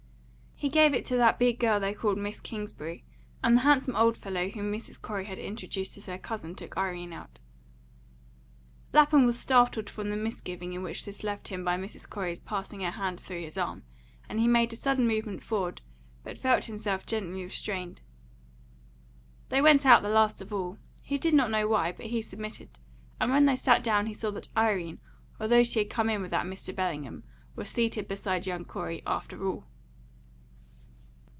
He gave it to that big girl they called Miss Kingsbury, and the handsome old fellow whom Mrs. Corey had introduced as her cousin took Irene out. Lapham was startled from the misgiving in which this left him by Mrs. Corey's passing her hand through his arm, and he made a sudden movement forward, but felt himself gently restrained. They went out the last of all; he did not know why, but he submitted, and when they sat down he saw that Irene, although she had come in with that Mr. Bellingham, was seated beside young Corey, after all.